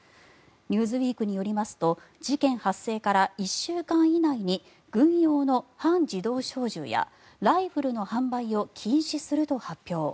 「ニューズウィーク」によりますと事件発生から１週間以内に軍用の半自動小銃やライフルの販売を禁止すると発表。